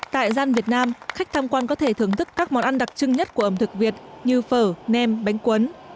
tại gian việt nam khách tham quan có thể thưởng thức các món ăn đặc trưng nhất của ẩm thực việt như phở nem bánh quấn